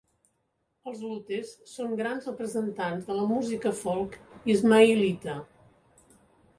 Els Lutes són grans representants de la música folk ismaïlita.